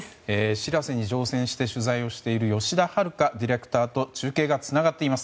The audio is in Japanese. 「しらせ」に乗船して取材をしている吉田遥ディレクターと中継がつながっています。